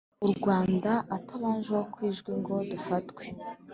urwanda atabaje wo kwijwi ngo dufatwe"